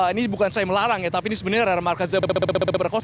ini bukan saya melarang ya tapi ini sebenarnya rara markazda berkosa